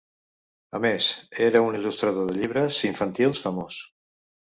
A més, era un il·lustrador de llibres infantils famós.